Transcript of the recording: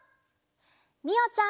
みおちゃん。